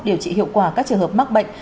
điều trị hiệu quả các trường hợp mắc bệnh